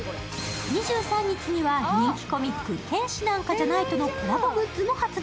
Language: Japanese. ２３日には人気コミック「天使なんかじゃない」とのコラボグッズも発売。